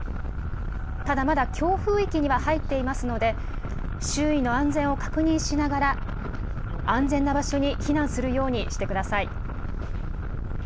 ただ、まだ強風域には入っていますので、周囲の安全を確認しながら、安全な場所に避難するようにしてください。